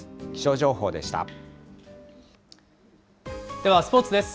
ではスポーツです。